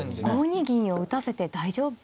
５二銀を打たせて大丈夫。